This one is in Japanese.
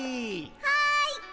はい。